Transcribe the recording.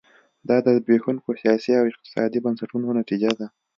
دا د زبېښونکو سیاسي او اقتصادي بنسټونو نتیجه ده.